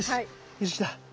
よしきた。